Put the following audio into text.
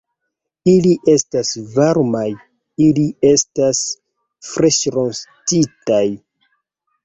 Ili estas varmaj... ili estas freŝrostitaj